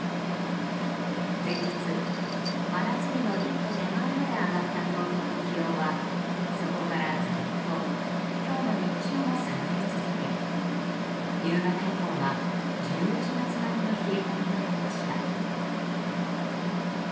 前日、真夏日の一歩手前まで上がった東京の気温はそこからずっと今日の日中も下がり続け夕方以降は、１１月並みの冷え込みとなりました。